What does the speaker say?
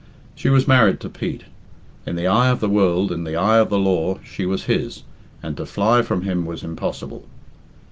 She was married to Pete. In the eye of the world, in the eye of the law, she was his, and to fly from him was impossible.